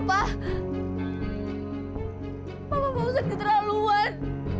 papa mau sedih terlaluan